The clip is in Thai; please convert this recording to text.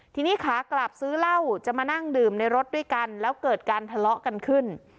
ทีนี้ขากลับซื้อเหล้าจะมานั่งดื่มในรถด้วยกันแล้วเกิดการทะเลาะกันขึ้น